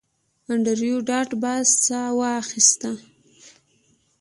انډریو ډاټ باس ساه واخیسته